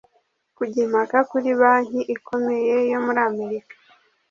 kujya impaka kuri banki ikomeye yo muri amerika